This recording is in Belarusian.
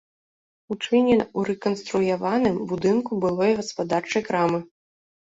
Учынена ў рэканструяваным будынку былой гаспадарчай крамы.